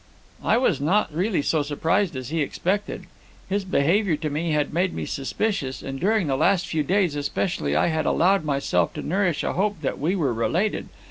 "I was not really so surprised as he expected. His behaviour to me had made me suspicious, and during the last few days especially I had allowed myself to nourish a hope that we were related.